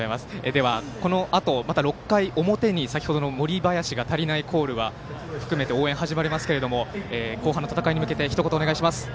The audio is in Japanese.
ではこのあと６回表に先ほどの森林が足りないコールを含めて応援始まりますけれども後半の戦いに向けてひと言お願いします。